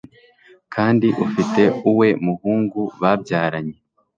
kandi ufite uwe muhungu babyaranye